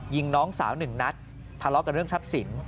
ยิงน้องสาวหนึ่งนัดทะเลาะกันเรื่องทรัพย์สิน